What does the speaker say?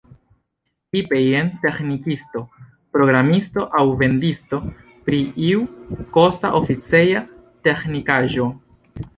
Tipe jen teĥnikisto, programisto, aŭ vendisto pri iu kosta oficeja teĥnikaĵo.